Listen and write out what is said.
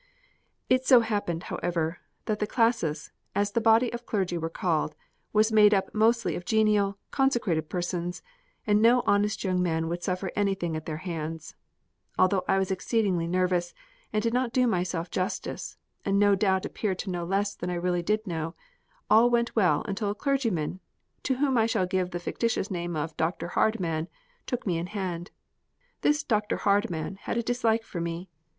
It so happened, however, that the Classis, as the body of clergy were called, was made up mostly of genial, consecrated persons, and no honest young man would suffer anything at their hands. Although I was exceedingly nervous, and did not do myself justice, and no doubt appeared to know less than I really did know, all went well until a clergyman, to whom I shall give the fictitious name of "Dr. Hardman," took me in hand. This "Dr. Hardman" had a dislike for me.